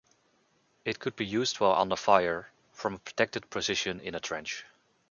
It could be used while under fire, from a protected position in a trench.